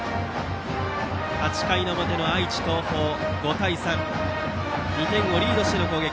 ８回表の愛知・東邦が５対３と２点をリードしての攻撃。